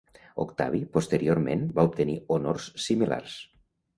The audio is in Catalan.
Octavi, posteriorment, va obtenir honors similars.